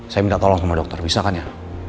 saya minta tolong sama dokter bisa kan ya